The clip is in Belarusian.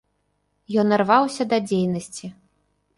Ён ірваўся да дзейнасці.